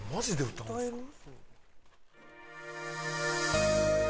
歌える？